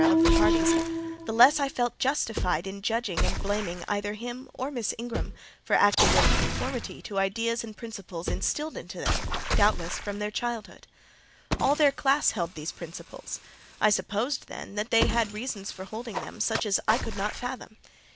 of the parties, the less I felt justified in judging and blaming either him or Miss Ingram for acting in conformity to ideas and principles instilled into them, doubtless, from their childhood. All their class held these principles: I supposed, then, they had reasons for holding them such as I could not fathom.